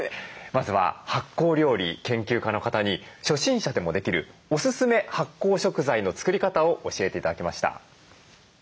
まずは発酵料理研究家の方に初心者でもできるおすすめ発酵食材の作り方を教えて頂きました。